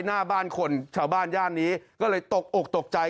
หน้าบ้านคนชาวบ้านย่านนี้ก็เลยตกอกตกใจ